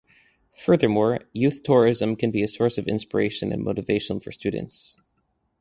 Furthermore, youth tourism can be a source of inspiration and motivation for students.